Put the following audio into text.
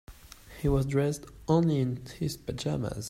He was dressed only in his pajamas.